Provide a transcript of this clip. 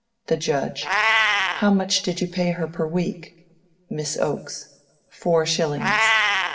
The Judge: How much did you pay her per week? Miss Oaks: Four shillings.